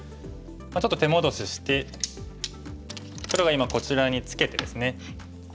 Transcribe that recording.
ちょっと手戻しして黒が今こちらにツケてですね。